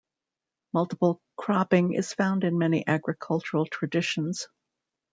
Multiple cropping is found in many agricultural traditions.